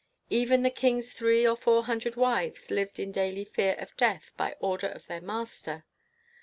Even the king's three or four hundred wives lived in daily fear of death by order of their master.